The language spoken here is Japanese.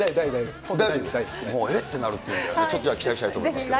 もう、えってなるっていうんで、ちょっとじゃあ、期待したいと思いますけどね。